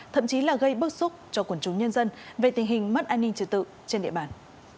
thậm chí là gây bức xúc cho quần chúng nhân dân về tình hình mất an ninh trật tự trên địa bàn